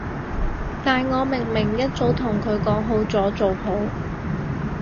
但我明明一早同佢講好咗，做好